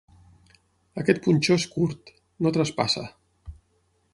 Aquest punxó és curt: no traspassa.